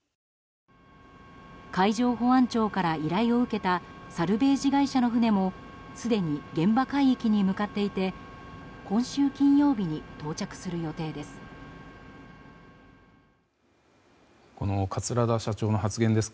海上保安庁から依頼を受けたサルベージ会社の船もすでに現場海域に向かっていて今週金曜日に到着する予定です。